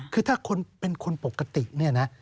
คือถ้าคนเป็นคนปกติเนี่ยนะ